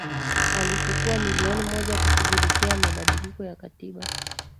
alichukua milioni moja kushughulikia mabadiliko ya katiba